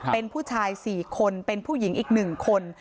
เป็นผู้ชาย๔คนเป็นผู้หญิงอีก๑คน